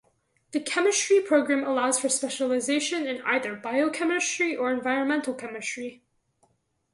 The chemistry program allows for specialization in either Biochemistry or Environmental Chemistry.